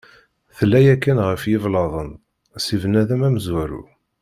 Tella yakkan ɣef yiblaḍen, si bnadem amezwaru.